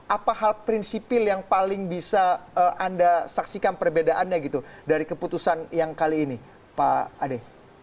apa hal prinsipil yang paling bisa anda saksikan perbedaannya gitu dari keputusan yang kali ini pak ade